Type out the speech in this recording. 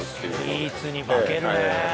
スイーツに化けるねえ！